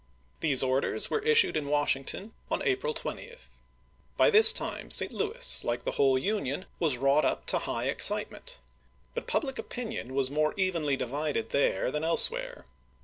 These orders were issued in Washington on April isr.i. 20, By this time St. Louis, like the whole Union, was wrought up to high excitement, but public opin ion was more evenly divided there than elsewhere.